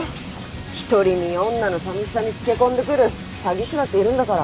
独り身女のさみしさにつけ込んでくる詐欺師だっているんだから。